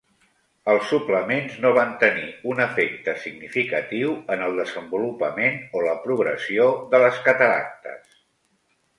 Els suplements no van tenir un efecte significatiu en el desenvolupament o la progressió de les cataractes.